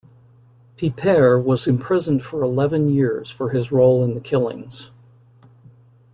Peiper was imprisoned for eleven years for his role in the killings.